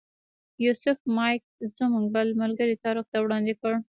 یوسف مایک زموږ بل ملګري طارق ته وړاندې کړ.